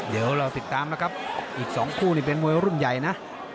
เดี๋ยวเราติดตามแล้วครับอีกสองคู่เป็นมวยรุ่นใหญ่นะ